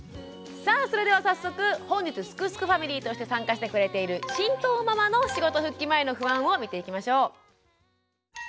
それでは早速本日すくすくファミリーとして参加してくれている神藤ママの仕事復帰前の不安を見ていきましょう。